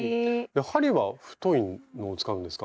針は太いのを使うんですか？